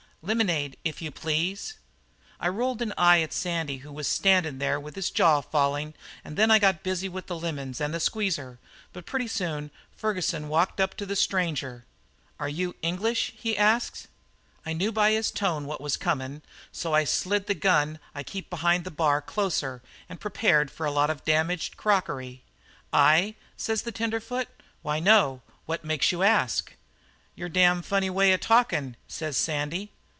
"'Lemonade, if you please.' "I rolled an eye at Sandy, who was standin' there with his jaw falling, and then I got busy with lemons and the squeezer, but pretty soon Ferguson walks up to the stranger. "'Are you English?' he asks. "I knew by his tone what was comin', so I slid the gun I keep behind the bar closer and got prepared for a lot of damaged crockery. "'I?' says the tenderfoot. 'Why, no. What makes you ask?' "'Your damned funny way of talkin',' says Sandy.